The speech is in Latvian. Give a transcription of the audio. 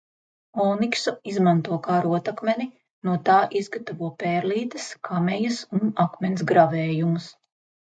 Oniksu izmanto kā rotakmeni – no tā izgatavo pērlītes, kamejas un akmens gravējumus.